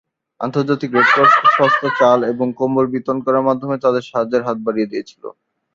আন্তর্জাতিক Red Cross সংস্থা চাল এবং কম্বল বিতরণ করার মাধ্যমে তাদের সাহায্যের হাত বাড়িয়ে দিয়েছিল।